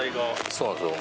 そうなんですよ。